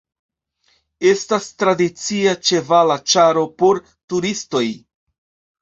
Estas tradicia ĉevala ĉaro por turistoj.